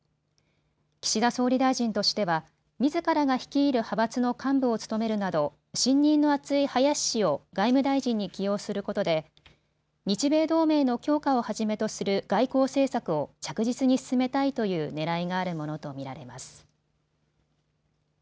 岸田総理大臣としてはみずからが率いる派閥の幹部を務めるなど信任の厚い林氏を外務大臣に起用することで日米同盟の強化をはじめとする外交政策を着実に進めたいというねらいがあるものと見られます。